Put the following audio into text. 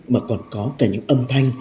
mà còn có cả những âm thanh